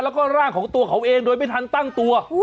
แล้วก็ร่างของตัวเขาเองโดยไม่ทันตั้งตัว